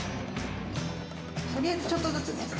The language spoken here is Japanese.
とりあえずちょっとずつ。